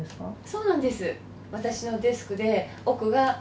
そうなんです。